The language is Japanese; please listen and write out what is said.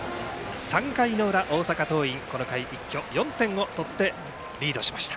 ３回の裏、大阪桐蔭この回、一挙４点を取ってリードしました。